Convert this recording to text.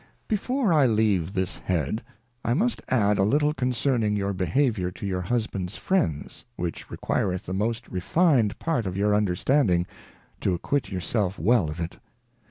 Before I leave this Head, I must add a little concerning your Behaviour to your Husband's Friends, which requireth the most refined part of your Understanding to acquit your self well of it.